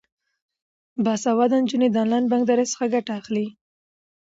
باسواده نجونې د انلاین بانکدارۍ څخه ګټه اخلي.